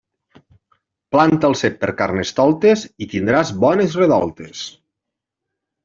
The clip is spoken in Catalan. Planta el cep per Carnestoltes i tindràs bones redoltes.